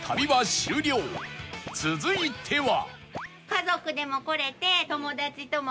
続いては